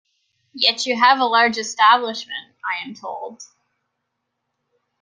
Yet you have a large establishment, I am told?